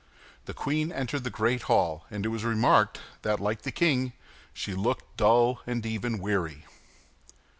The queen entered the great hall; and it was remarked that, like the king, she looked dull and even weary.